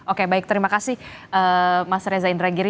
oke baik terima kasih mas reza indragiri